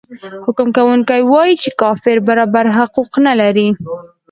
حکم کوونکی وايي چې کافر برابر حقوق نلري.